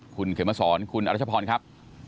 คุณเขมสอนคุณอรัชพรครับ